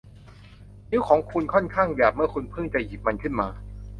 นิ้วของคุณค่อนข้างหยาบเมื่อคุณเพิ่งจะหยิบมันขึ้นมา